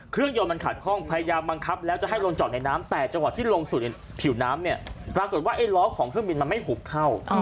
เครื่องยนต์มันขัดข้องพยายามบังคับแล้วจะให้ลงจอดในน้ำแต่จังหวะที่ลงสู่ผิวน้ำเนี่ยปรากฏว่าไอ้ล้อของเครื่องบินมันไม่หุบเข้า